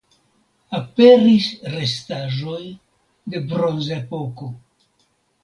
Aperis restaĵoj de Bronzepoko.